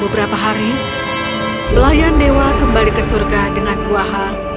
beberapa hari kemudian pelayan dewa kembali ke surga dengan buah hal